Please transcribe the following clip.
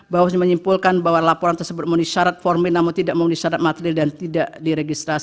bawaslu menyimpulkan bahwa laporan tersebut mengunis syarat formil namun tidak mengundi kata kata